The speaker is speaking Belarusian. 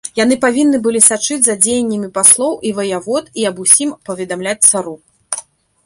Яны павінны былі сачыць за дзеяннямі паслоў і ваявод і аб усім паведамляць цару.